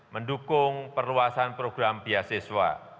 mendukung perluasan program biasiswa